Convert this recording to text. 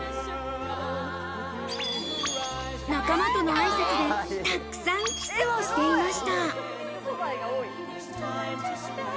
仲間とのあいさつで、たくさんキスをしていました。